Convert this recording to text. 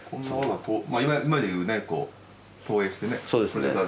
そうですね。